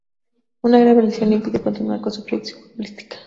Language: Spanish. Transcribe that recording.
Una grave lesión le impidió continuar con su proyección futbolística.